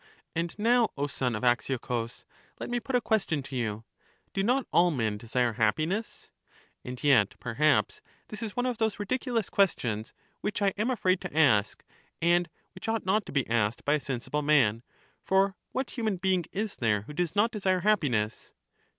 And now, O son of Axiochus, let me put a question to you : Do not all men desire happiness? And yet, perhaps, this is one of those ridiculous questions which I am afraid to ask, and which ought not to be asked by a sensible man: for what human being is there who does not desire happiness?